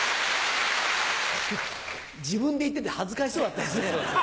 自分で言ってて恥ずかしそうだったですね。